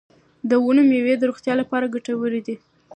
د ونو میوې د روغتیا لپاره ګټورې دي.